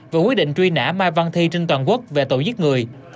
và quyết định truy nã mai văn thi trên toàn quốc về tội giết người